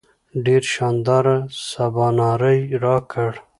ډېر شانداره سباناری راکړ.